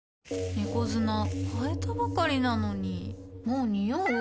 猫砂替えたばかりなのにもうニオう？